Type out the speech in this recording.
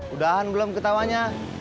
udahan belum ketawanya